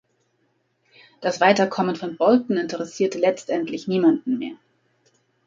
Das Weiterkommen von Bolton interessierte letztendlich niemanden mehr.